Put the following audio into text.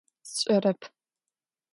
Сшӏэрэп.